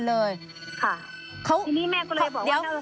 เดี๋ยวแล้วเขาโทรหาแม่เขาใช้โทรศัพท์ใครคะ